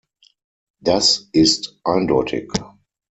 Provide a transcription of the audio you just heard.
Das ist eindeutig.